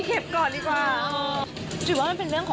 คือด้วยสุขภาพตัวเองด้วย